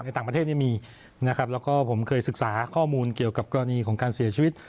ต่างประเทศนี้มีนะครับแล้วก็ผมเคยศึกษาข้อมูลเกี่ยวกับกรณีของการเสียชีวิต